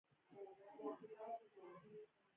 لاس یې په توره پرې کړ.